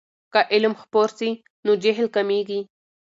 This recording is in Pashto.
که علم خپور سي نو جهل کمېږي.